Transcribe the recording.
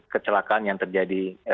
kecelakaan yang terjadi